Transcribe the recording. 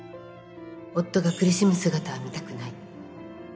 夫が苦しむ姿は見たくない